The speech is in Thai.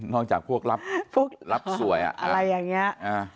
นอกจากพวกรับสวยอะไรอย่างนี้